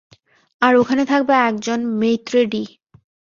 আর ওখানে থাকবে একজন মেইত্রে ডি!